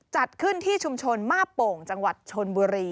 จัดขึ้นที่ชุมชนมาโป่งจังหวัดชนบุรี